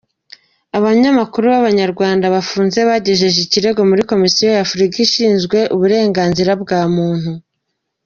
Abanyamakuru b’Abanyarwanda bafunze bagejeje ikirego muri Komisiyo y’Afurika ishinzwe uburenganzira bwa muntu